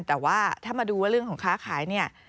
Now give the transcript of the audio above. แต่ว่าถ้ามาดูว่าเรื่องของค้าขายเนี่ย